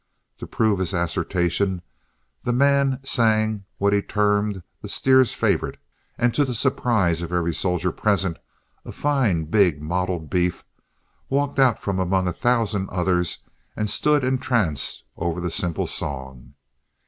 To prove his assertion, the man sang what he termed the steer's favorite, and to the surprise of every soldier present, a fine, big mottled beef walked out from among a thousand others and stood entranced over the simple song.